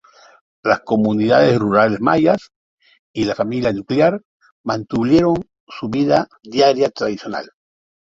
Las comunidades rurales mayas, y la familia nuclear, mantuvieron su vida diaria tradicional.